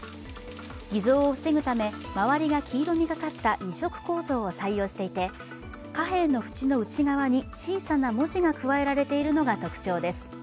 偽造を防ぐため周りが黄色みがかった２色構造を採用していて貨幣の縁の内側に小さな文字が加えられているのが特徴です。